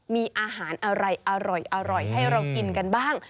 มีอาหารอะไรอร่อยให้เรากินกันบ้าง